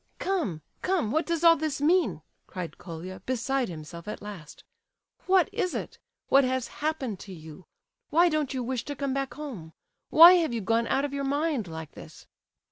"Come, come, what does all this mean?" cried Colia beside himself at last. "What is it? What has happened to you? Why don't you wish to come back home? Why have you gone out of your mind, like this?"